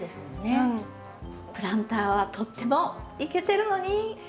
プランターはとってもイケてるのに。